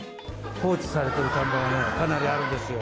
放置されてる田んぼがね、かなりあるんですよ。